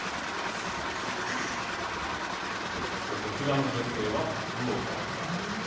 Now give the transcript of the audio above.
そしてこちらの女性は福岡から。